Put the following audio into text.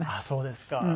そうですか。